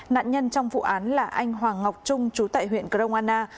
nạn nhân trong vụ án là anh hoàng ngọc trung chú tại huyện grong anna